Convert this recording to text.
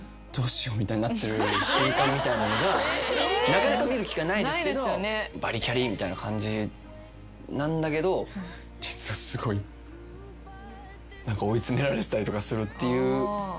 みたいになってる瞬間みたいなのがなかなか見る機会ないですけどバリキャリみたいな感じなんだけど実は追い詰められてたりとかするっていうギャップがいいのかな。